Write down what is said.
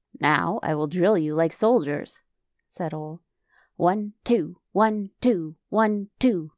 " Now I will drill you like soldiers," said Ole. " One, two; one, two; one, two."